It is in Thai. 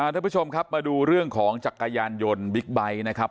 ท่านผู้ชมครับมาดูเรื่องของจักรยานยนต์บิ๊กไบท์นะครับ